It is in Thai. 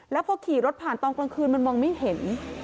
แล้วพอขี่รถผ่านตอนกลางคืนมันมองไม่เห็น